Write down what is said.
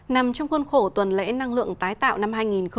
nằm trong khuôn khổ tuần lễ năng lượng tái tạo năm hai nghìn hai mươi